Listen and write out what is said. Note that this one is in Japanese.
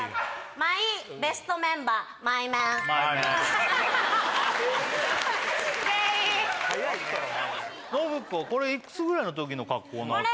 マイメン全員信子これいくつぐらいの時の格好なわけ？